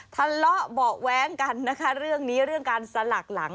ทะเลาะเบาะแว้งกันนะคะเรื่องนี้เรื่องการสลักหลัง